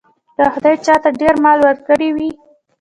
که خدای چاته ډېر مال ورکړی وي.